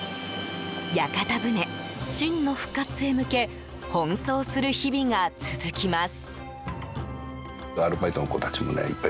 屋形船、真の復活へ向け奔走する日々が続きます。